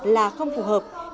là không phù hợp